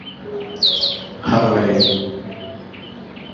Hagbard, however, trusted in Signy's promise to him.